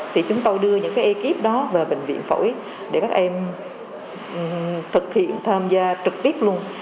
thì chúng tôi đưa những cái ekip đó về bệnh viện phổi để các em thực hiện tham gia trực tiếp luôn